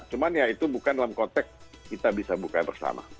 cuman ya itu bukan dalam konteks kita bisa buka bersama